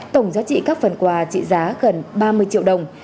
tổng giá trị các phần quà trị giá gần ba mươi triệu đồng